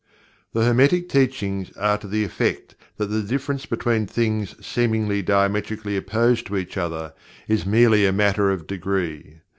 The Hermetic Teachings are to the effect that the difference between things seemingly diametrically opposed to each other is merely a matter of degree.